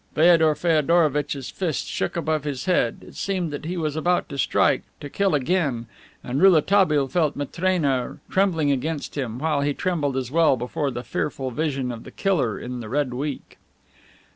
Feodor Feodorovitch's fist shook above his bed; it seemed that he was about to strike, to kill again, and Rouletabille felt Matrena trembling against him, while he trembled as well before the fearful vision of the killer in the Red Week!